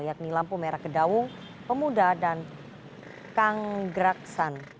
yakni lampu merah kedawung pemuda dan kang graksan